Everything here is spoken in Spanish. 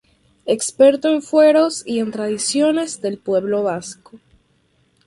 Experto en fueros y en tradiciones del pueblo vasco.